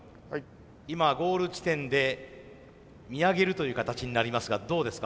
今ゴール地点で見上げるという形になりますがどうですか？